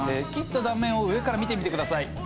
切った断面を上から見てみてください。